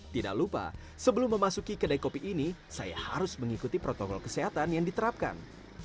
tidak lupa sebelum memasuki kedai kopi ini saya harus mengikuti protokol kesehatan yang diterapkan